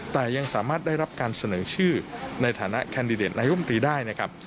แต่ยังสามารถได้รับการเสนอชื่อในฐานะแคนดิเดตนายุมตรีได้นะครับ